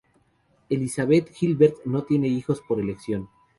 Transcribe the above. Elizabeth Gilbert no tiene hijos por elección.